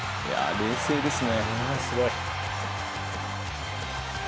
冷静ですね。